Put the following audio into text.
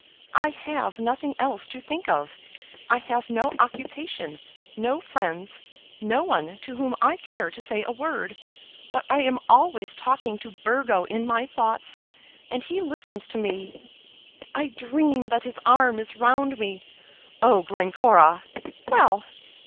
I have nothing else to think of. I have no occupation, no friends, no one to whom I care to say a word. But I am always talking to Burgo in my thoughts; and he listens to me. I dream that his arm is round me " "Oh, Glencora!" "Well!